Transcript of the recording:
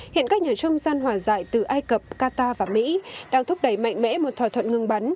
hiện các nhà trung gian hòa giải từ ai cập qatar và mỹ đang thúc đẩy mạnh mẽ một thỏa thuận ngừng bắn